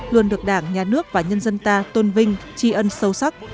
luôn được đảng nhà nước và nhân dân ta tôn vinh tri ân sâu sắc